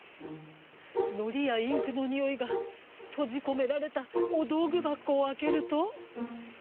のりやインクのにおいがとじこめられたおどうぐばこをあけると。